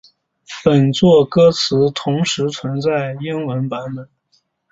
本作歌词同时存在英文版本。